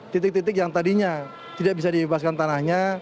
titik titik yang tadinya tidak bisa dibebaskan tanahnya